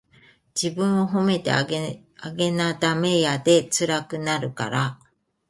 自分を褒めてあげなダメやで、つらくなるから。